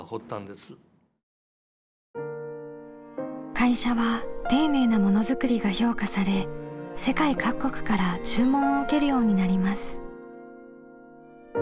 会社は丁寧なものづくりが評価され世界各国から注文を受けるようになります。